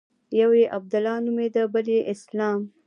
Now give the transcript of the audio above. يو يې عبدالله نومېده بل يې اسلام.